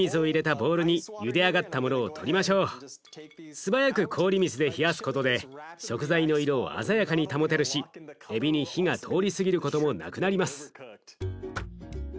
素早く氷水で冷やすことで食材の色を鮮やかに保てるしえびに火が通りすぎることもなくなります。